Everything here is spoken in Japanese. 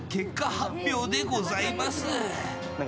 発表でございます。